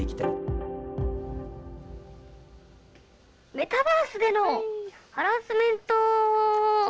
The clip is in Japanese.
メタバースでのハラスメント。